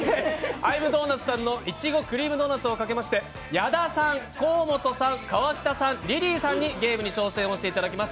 Ｉ’ｍｄｏｎｕｔ？さんのいちごクリームドーナツをかけまして矢田さん、河本さん、川北さん、リリーさんにゲームに挑戦していただきます。